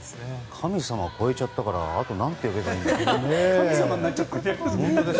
神様超えちゃったからあと何て呼べばいいんだろう。